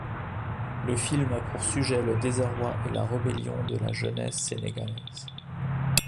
Le film a pour sujet le désarroi et la rébellion de la jeunesse sénégalaise.